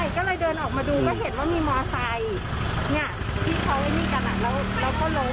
ใช่ก็เลยเดินออกมาดูก็เห็นว่ามีมอสไซค์เนี่ยที่เขาไว้นี่กันแล้วก็ล้มเลย